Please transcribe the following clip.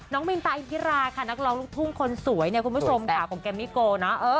น้องมีนตาอินทิราค่ะนักร้องลูกทุ่มคนสวยคุณผู้ชมขาบของแกมมิโกเนอะ